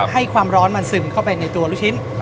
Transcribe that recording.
ให้ความร้อนมันซึมเข้าไปในตัวลูกชิ้น